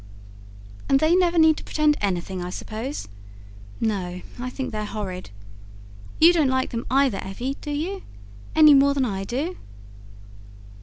"And they never need to pretend anything, I suppose? No, I think they're horrid. You don't like them either, Evvy, do you? ... any more than I do?"